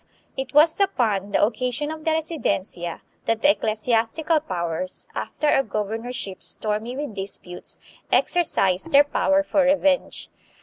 It was upon the occasion of the Residencia that the ecclesiastical powers, after a governorship stormy with disputes, exercised their power for revenge.